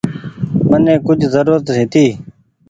مني ڪجه زرورت هيتي۔